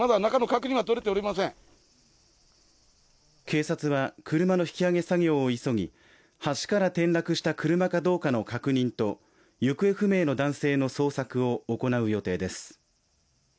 警察は車の引き上げ作業を急ぎ、橋から転落した車かどうかの確認と行方不明の男性の捜索を行う予定です。